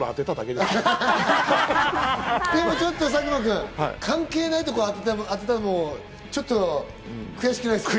でもちょっと佐久間くん、関係ないところを当てても悔しくないですか？